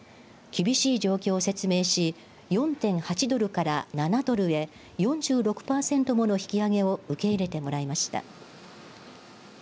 厳しい状況を説明し４．８ドルから７ドルへ４６％もの引き上げを受け入れてもらいました。